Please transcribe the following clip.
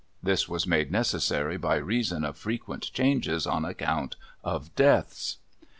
This was made necessary by reason of frequent changes on account of deaths.